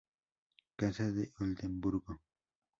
Casa de Oldemburgo